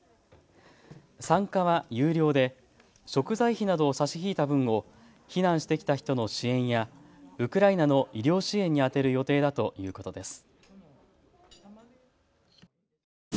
参加は有料で食材費などを差し引いた分を避難してきた人の支援やウクライナの医療支援に充てる予定だということです。